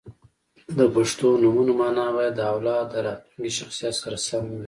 • د پښتو نومونو مانا باید د اولاد د راتلونکي شخصیت سره سمه وي.